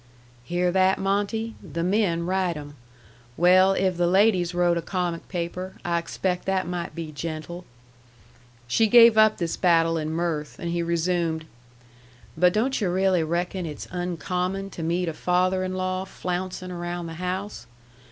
"Hear that, Monte? The men write 'em. Well, if the ladies wrote a comic paper, I expect that might be gentle." She gave up this battle in mirth; and he resumed: "But don't you really reckon it's uncommon to meet a father in law flouncin' around the house?